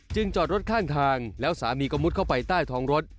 จอดรถข้างทางแล้วสามีก็มุดเข้าไปใต้ท้องรถ